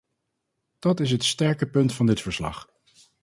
Dat is het sterke punt van dit verslag.